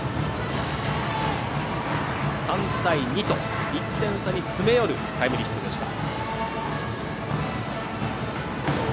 ３対２と１点差に詰め寄るタイムリーヒットでした。